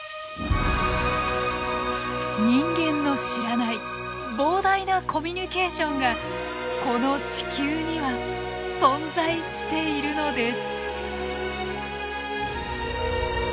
人間の知らない膨大なコミュニケーションがこの地球には存在しているのです。